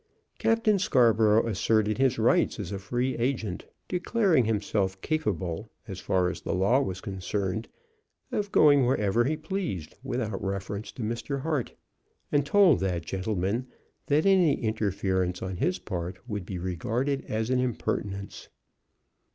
Captain Scarborough asserted his rights as a free agent, declaring himself capable, as far as the law was concerned, of going wherever he pleased without reference to Mr. Hart; and told that gentleman that any interference on his part would be regarded as an impertinence.